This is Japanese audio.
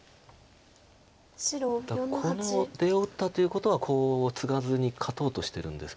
またこの出を打ったということはコウをツガずに勝とうとしてるんですけど。